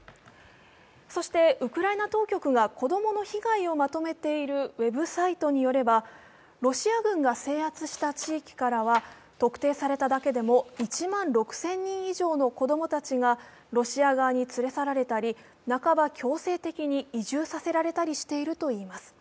そしてウクライナ当局が子供の被害をまとめているウェブサイトによればロシア軍が制圧した地域からは特定されただけでも１万６０００人以上の子供たちがロシア側に連れ去られたり、半ば強制的に移住させられたりしているといいます。